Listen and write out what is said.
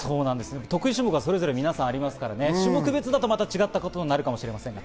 得意種目がそれぞれ皆さんありますから、種目別だと、また違ったことになるかもしれませんが。